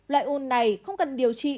loại u này không cần điều trị